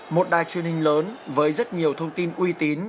một đài truyền hình lớn với rất nhiều thông tin uy tín